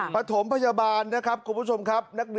ปฐมพยาบาลนะครับคุณผู้ชมครับ